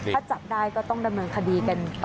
ถ้าจับได้ก็ต้องดำเนินคดีกันต่อ